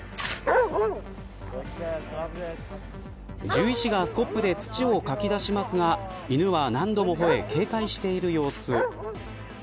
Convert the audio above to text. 獣医師がスコップで土をかき出しますが犬は何度も吠え、警戒している様子。